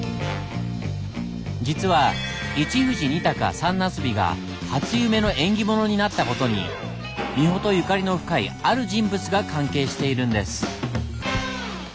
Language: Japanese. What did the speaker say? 実は「一富士・二鷹・三茄子」が初夢の縁起物になった事に三保とゆかりの深いある人物が関係しているんです。